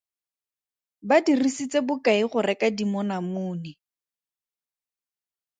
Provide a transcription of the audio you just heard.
Ba dirisitse bokae go reka dimonamone?